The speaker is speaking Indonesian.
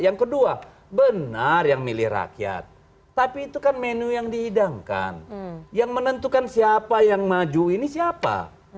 yang kedua benar yang milih rakyat tapi itu kan menu yang dihidangkan yang menentukan siapa yang maju ini siapa